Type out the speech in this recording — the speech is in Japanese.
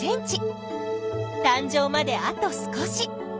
たん生まであと少し。